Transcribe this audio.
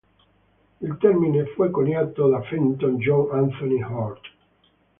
Il termine fu coniato da Fenton John Anthony Hort.